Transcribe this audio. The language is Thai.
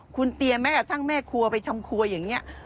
คุณเตียแม่ทั้งแม่ครัวไปทำครัวอย่างนี้